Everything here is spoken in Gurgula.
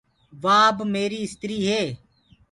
وآ اب ميآريٚ استريٚ هي۔